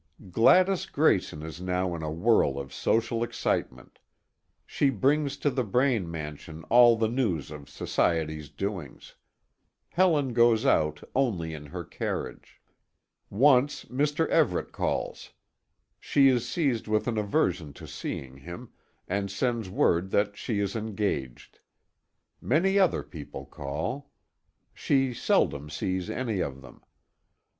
Gladys Grayson is now in a whirl of social excitement. She brings to the Braine mansion all the news of society's doings. Helen goes out only in her carriage. Once, Mr. Everet calls. She is seized with an aversion to seeing him, and sends word that she is engaged. Many other people call. She seldom sees any of them.